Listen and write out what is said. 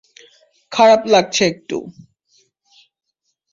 খারাপ লাগছে একটু।